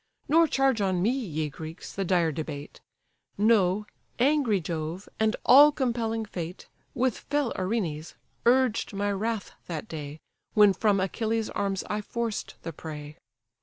Nor charge on me, ye Greeks, the dire debate: Know, angry Jove, and all compelling Fate, With fell Erinnys, urged my wrath that day When from Achilles' arms I forced the prey.